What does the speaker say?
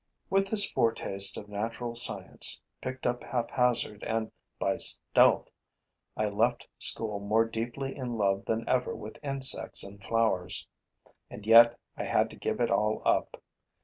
With this foretaste of natural science, picked up haphazard and by stealth, I left school more deeply in love than ever with insects and flowers. And yet I had to give it all up.